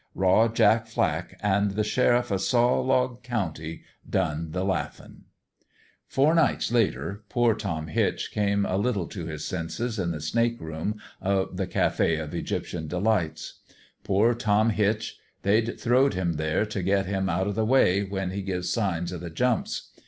Raw Jack Flack an' the sheriff o' Saw log County done the laughin'. What HAPPENED to TOM HITCH 227 " Four nights later poor Tom Hitch come a little to his senses in the snake room of the Cafe of Egyptian De lights. Poor Tom Hitch ! they'd throwed him there t' get him out o' the way, when he give signs o' the jumps.